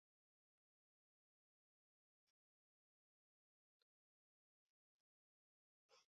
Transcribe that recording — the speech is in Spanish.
El acetato de litio es una sustancia cristalina blanca.